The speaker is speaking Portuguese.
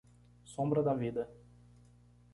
Sombra da vida